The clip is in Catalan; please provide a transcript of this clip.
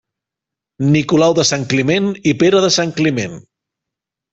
Nicolau de Santcliment i Pere de Santcliment.